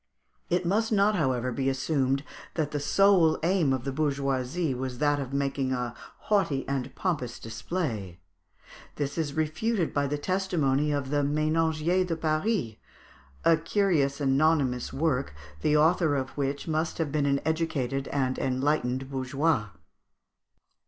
It must not, however, be assumed that the sole aim of the bourgeoisie was that of making a haughty and pompous display. This is refuted by the testimony of the "Ménagier de Paris," a curious anonymous work, the author of which must have been an educated and enlightened bourgeois.